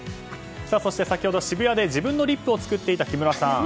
そして先ほど渋谷で自分のリップを作っていた木村さん。